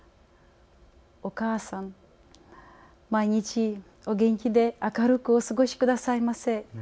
お母さん、毎日お元気で明るくお過ごしくださいませ。